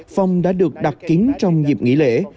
phòng đã được đặt kín trong dịp nghỉ lễ